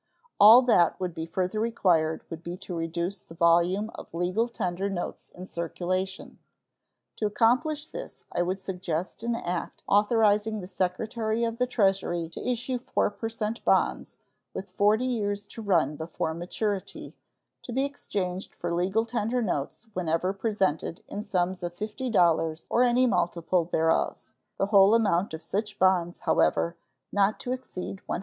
All that would be further required would be to reduce the volume of legal tender notes in circulation. To accomplish this I would suggest an act authorizing the Secretary of the Treasury to issue 4 per cent bonds, with forty years to run before maturity, to be exchanged for legal tender notes whenever presented in sums of $50 or any multiple thereof, the whole amount of such bonds, however, not to exceed $150,000,000.